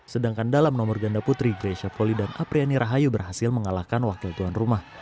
sedangkan dalam nomor ganda putri grecia poli dan apriani rahayu berhasil mengalahkan wakil tuan rumah